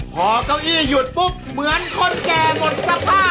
พอเก้าอี้หยุดปุ๊บเหมือนคนแก่หมดสภาพ